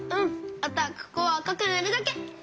あとはここをあかくぬるだけ！